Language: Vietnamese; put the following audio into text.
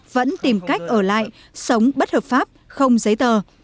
vẫn tìm cách ở lại sống bất hợp pháp không giấy tờ